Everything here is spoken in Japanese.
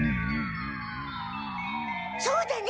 そうだね。